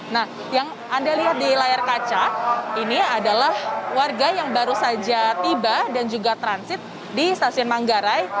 nah yang anda lihat di layar kaca ini adalah warga yang baru saja tiba dan juga transit di stasiun manggarai